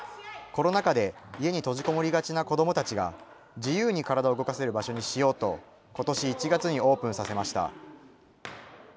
コロナ禍で家に閉じこもりがちな子どもたちが自由に体を動かせる場所にしようと、ことし１月にオープンさせました。